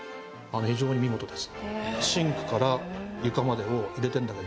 非常に見事です。